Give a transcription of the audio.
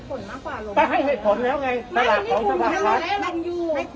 ประชาชนหรือเป็นคนของศาลากภัทรก็